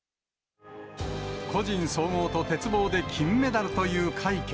個人総合と鉄棒で金メダルという快挙。